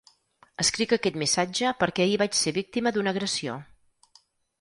Escric aquest missatge perquè ahir vaig ser víctima d’una agressió.